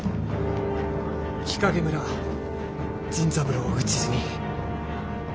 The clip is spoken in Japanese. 日影村甚三郎討ち死に。